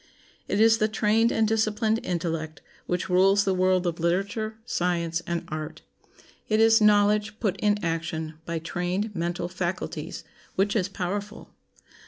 It is the trained and disciplined intellect which rules the world of literature, science, and art. It is knowledge put in action by trained mental faculties which is powerful.